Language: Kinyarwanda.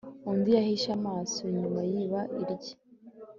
Undi yahishe amaso inyuma yibaba rye